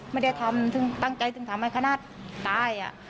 ไม่ได้ทำซึ่งตั้งใจต้องทำให้ทนาธิ์ตายอ่ะผม